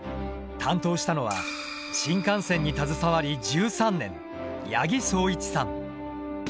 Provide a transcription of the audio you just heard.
担当したのは新幹線に携わり１３年八木聡一さん。